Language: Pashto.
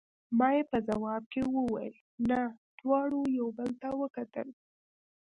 ما یې په ځواب کې وویل: نه، دواړو یو بل ته وکتل.